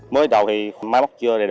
mới đầu thì máy móc chưa đầy đủ